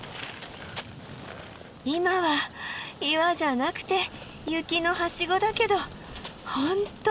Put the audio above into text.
今は岩じゃなくて雪のハシゴだけど本当